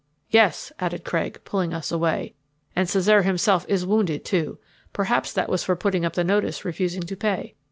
"Yes," added Craig, pulling us away, "and Cesare himself is wounded, too. Perhaps that was for putting up the notice refusing to pay.